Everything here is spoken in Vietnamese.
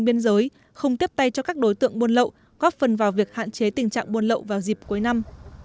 tỉnh đồng nai đã phối hợp với các ngành chức năng góp phần vào việc hạn chế tình trạng buôn lậu vào dịp cuối năm